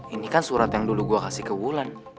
ini kan surat yang dulu gue kasih ke wulan